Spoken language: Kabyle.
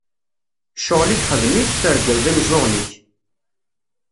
Ccɣel-ik xdem-it, tregleḍ imeẓẓuɣen-ik!